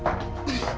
apa perusahaan ini